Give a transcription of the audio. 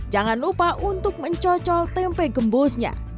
jangan lupa untuk mencocol tempe gembusnya